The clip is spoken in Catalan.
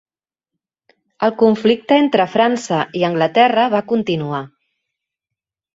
El conflicte entre França i Anglaterra va continuar.